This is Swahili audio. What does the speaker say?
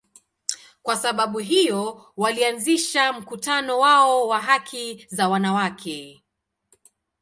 Kwa sababu hiyo, walianzisha mkutano wao wa haki za wanawake.